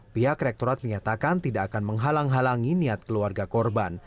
pihak rektorat menyatakan tidak akan menghalang halangi niat keluarga korban